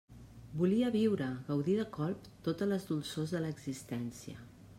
Volia viure, gaudir de colp totes les dolçors de l'existència.